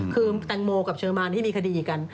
คือแตงโมกับเชอร์มานที่มีคดีกัน